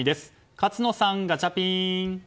勝野さん、ガチャピン。